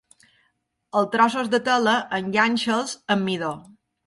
Els trossos de tela, enganxa'ls amb midó.